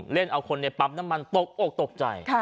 เล่นเอาคนในปั๊มน้ำมันตกอกตกใจ